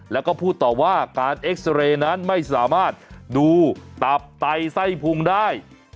แล้วก็พูดต่อว่าการเอ็กซาเรย์นั้นไม่สามารถดูตับไตไส้พุงได้